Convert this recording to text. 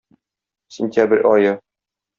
Сентябрь ае.